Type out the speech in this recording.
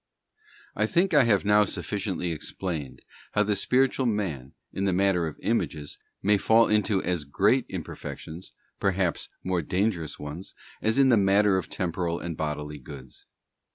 T rurx I have now sufficiently explained how the spiritual man, in the matter of Images, may fall into as great imper fections— perhaps more dangerous ones—as in the matter of temporal and bodily goods.